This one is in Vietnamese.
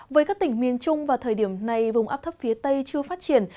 với các tỉnh miền trung vào thời điểm này vùng áp thấp phía tây chưa phát triển